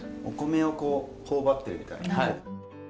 お米をこう頬張ってるみたいな。